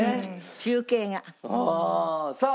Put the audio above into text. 中継が。ああ。